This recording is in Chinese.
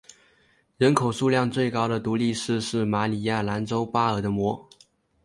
人口数最高的独立市是马里兰州巴尔的摩。